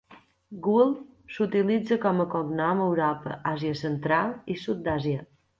Gul s"utilitza com a cognom a Europa, Àsia Central i Sud d"Àsia.